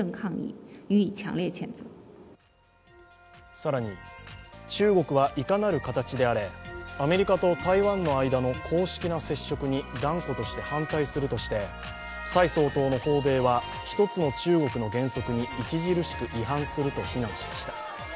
更に、中国はいかなる形であれアメリカと台湾の間の公式な接触に断固として反対するとして蔡総統の訪米は一つの中国の原則に著しく違反すると非難しました。